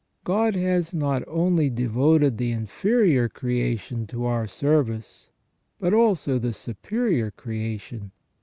God has not only devoted the inferior creation to our service, but also the superior creation.